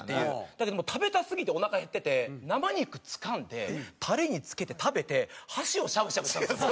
だけど食べたすぎておなか減ってて生肉つかんでタレにつけて食べて箸をしゃぶしゃぶしたんですよ